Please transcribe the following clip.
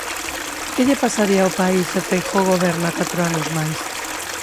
Que lle pasaría ao país se Feijóo goberna catro anos máis?